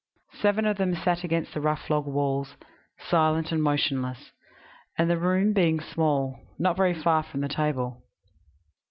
Seven of them sat against the rough log walls, silent and motionless, and, the room being small, not very far from the table.